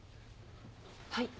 はい。